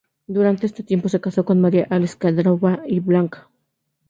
Durante ese tiempo, se casó con María Aleksándrovna Blank.